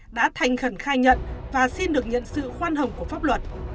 đã thành khẩn khai nhận và xin được nhận sự khoan hồng của pháp luật